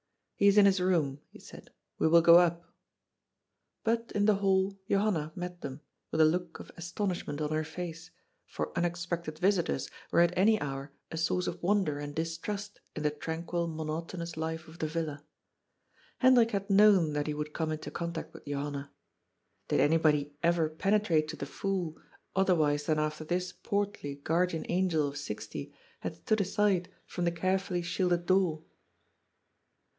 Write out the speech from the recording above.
" He is in his room," he said. " We will go up." But in the hall Johanna met them, with a look of as tonishment on her face, for unexpected visitors were at any hour a source of wonder and distrust in the tranquil, monotonous life of the villa. Hendrik had known that he would come into contact with Johanna. Did anybody ever penetrate to the Fool, otherwise than after this portly guardian angel of sixty had stood aside from the carefully shielded door